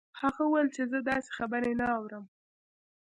هغه وویل چې زه داسې خبرې نه اورم